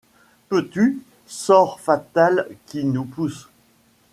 Peux-tu, sort fatal qui nous pousses